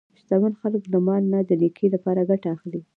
شتمن خلک له مال نه د نیکۍ لپاره ګټه اخلي.